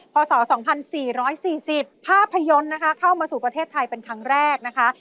พศ๒๔๔๐ภาพยนตร์นะคะเข้ามาสู่ประเทศไทยเป็นครั้งแรกนะคะ